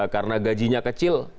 karena gajinya kecil